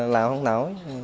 làm không nổi